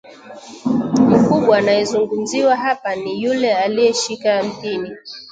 Mkubwa anayezungumziwa hapa ni yule aliyeshika mpini